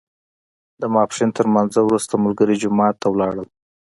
د ماسپښین تر لمانځه وروسته ملګري جومات ته ولاړل.